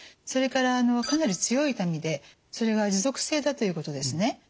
それからかなり強い痛みでそれが持続性だということですね。